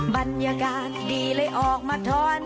บรรยากาศดีเลยออกมาทอน